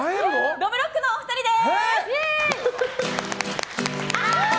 どぶろっくのお二人です！